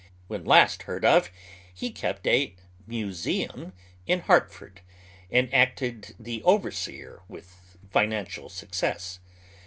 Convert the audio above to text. When last heard of he kept a " museum " in Hartford, and acted the overseer with financial success.